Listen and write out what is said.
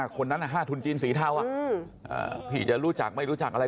คนนั้น๕ทุนจีนสีเทาพี่จะรู้จักไม่รู้จักอะไร